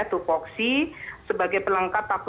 tupoksi sebagai pelengkap